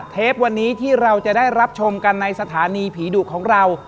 เทปวันนี้ที่เราจะได้รับชมกันในสถานีผีดุของเรา